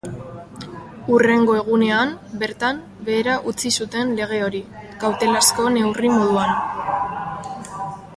Hurrengo egunean, bertan behera utzi zuten lege hori, kautelazko neurri moduan.